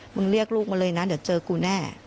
เรียกลูกมาเลยนะเดี๋ยวเจอกูแน่